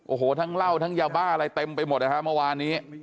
โอ้โหทั้งเหล้าทั้งยาบ้าอะไรเต็มไปหมดนะฮะเมื่อวานนี้